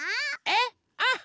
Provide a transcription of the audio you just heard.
えっ？